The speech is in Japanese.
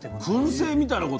くん製みたいなこと？